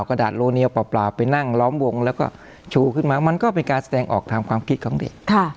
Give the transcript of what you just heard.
กระดาษโลเนียวเปล่าไปนั่งล้อมวงแล้วก็ชูขึ้นมามันก็เป็นการแสดงออกทางความคิดของเด็ก